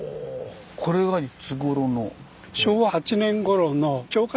これはいつごろの。